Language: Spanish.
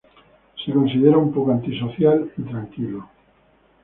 Se considera un poco antisocial y tranquilo.